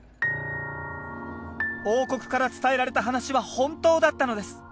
王国から伝えられた話は本当だったのです。